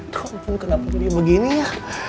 kau pun kenapa dia begini ya